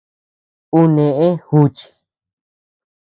Ú neʼë juchi.